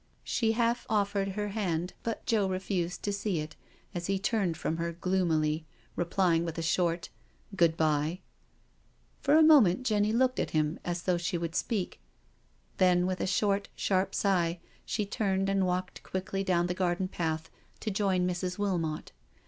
She half offered her hand, but Joe refused to see it as he turned from her gloomily, replying with a short '* Good bye 1" For a moment Jenny looked at him as though she would speak, then with a short, sharp sigh she turned and walked quickly down the garden path to join Mrs. Wilmot.